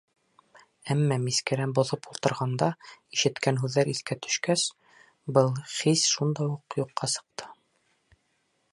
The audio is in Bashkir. Әммә мискәлә боҫоп ултырғанда ишеткән һүҙҙәр иҫкә төшкәс, был хис шунда уҡ юҡҡа сыҡты.